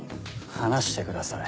離してください。